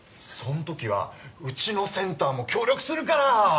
そのときはうちのセンターも協力するから。